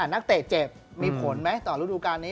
นักเตะเจ็บมีผลไหมต่อฤดูการนี้